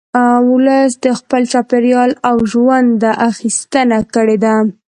ولس د خپل چاپېریال او ژونده اخیستنه کړې ده